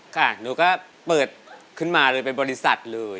ค่ะหนูก็เปิดขึ้นมาเลยเป็นบริษัทเลย